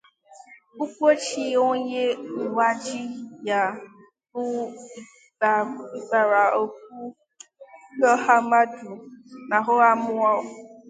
Ụgwọ chi onye ụwa ji ya bụ ịgbara ọgụ n'ọha mmadụ na n'ọha mmụọ